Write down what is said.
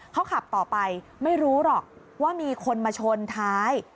เขาขับต่อไปไม่รู้หรอกว่ามีคนมาชนท้าย